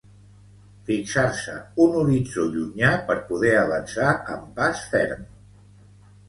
Fixar-se un horitzó llunyà per poder avançar amb pas ferm.